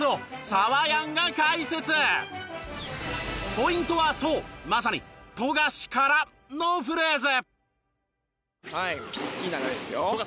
ポイントはそうまさに「富樫から」のフレーズ。